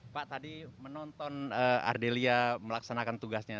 pak tadi menonton ardelia melaksanakan tugasnya